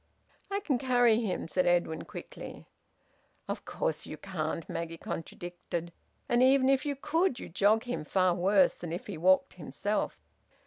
"I can carry him," said Edwin quickly. "Of course you can't!" Maggie contradicted. "And even if you could you'd jog him far worse than if he walked himself."